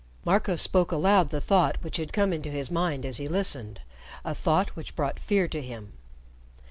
Marco spoke aloud the thought which had come into his mind as he listened, a thought which brought fear to him.